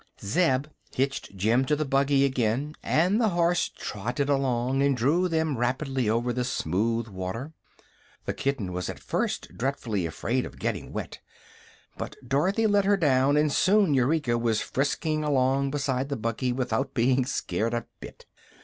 Zeb hitched Jim to the buggy again, and the horse trotted along and drew them rapidly over the smooth water. The kitten was at first dreadfully afraid of getting wet, but Dorothy let her down and soon Eureka was frisking along beside the buggy without being scared a bit.